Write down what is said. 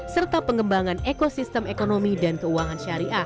serta pengembangan ekosistem ekonomi dan keuangan syariah